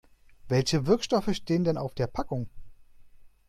Welche Wirkstoffe stehen denn auf der Packung?